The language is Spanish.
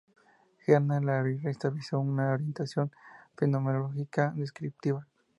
Hernán Larraín enfatizó una orientación fenomenológica descriptiva.